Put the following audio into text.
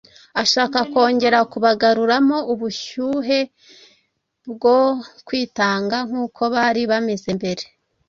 ashaka kongera kubagaruramo ubushyuhe bwo kwitanga nk’uko bari bameze mbere.